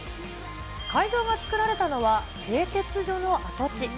会場が作られたのは製鉄所の跡地。